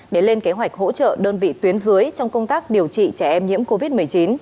để lên kế hoạch hỗ trợ đơn vị tuyến dưới trong công tác điều trị trẻ em nhiễm covid một mươi chín